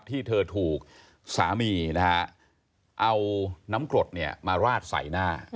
ที่เธอถูกสามีนะฮะเอาน้ำกรดมาราดใส่หน้า